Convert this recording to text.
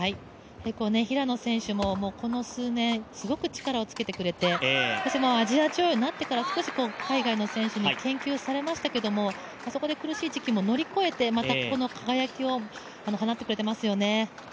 平野選手もこの数年、すごく力をつけてくれてアジア女王になってから少し海外の選手に研究されましたけれども、そこで苦しい時期も乗り越えてまたこの輝きを放ってくれていますよね。